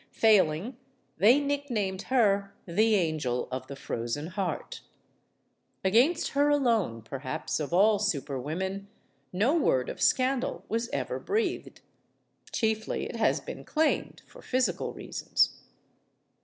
Failing, they nicknamed her "the angel of the frozen heart." Against her, alone, per MADAME RECAMIER 233 haps of all super women, no word of scandal was ever breathed. (Chiefly, it has been claimed, for physical reasons.